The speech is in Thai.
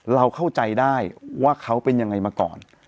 เราเข้าใจได้ว่าเขาเป็นยังไงมาก่อน